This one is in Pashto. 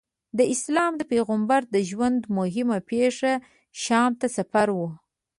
د اسلام د پیغمبر د ژوند موهمه پېښه شام ته سفر و.